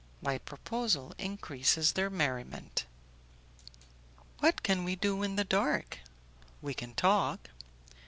My proposal increases their merriment. "What can we do in the dark?" "We can talk."